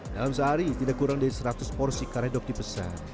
dalam sehari tidak kurang dari seratus porsi karedok dipesan